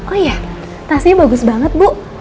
oh iya tasnya bagus banget bu